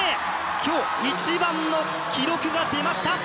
今日一番の記録が出ました！